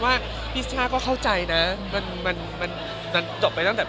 ไม่ว่ามันใจว่าคนมองในอะไรครับ